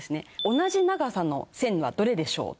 同じ長さの線はどれでしょう？